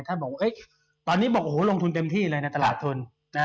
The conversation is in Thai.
ตอนนี้บอกว่าลงทุนเต็มที่เลยในตลาดทุน